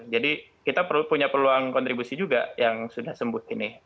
jadi kita perlu punya peluang kontribusi juga yang sudah sembuh ini